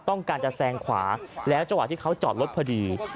ต้องการจะแซงขวาแล้วจังหวะที่เขาจอดรถพอดี